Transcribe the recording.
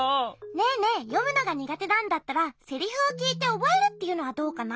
ねえねえよむのがにがてなんだったらセリフをきいておぼえるっていうのはどうかな？